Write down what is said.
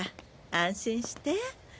安心して。